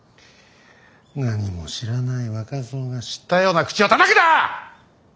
何も知らない若造が知ったような口をたたくな！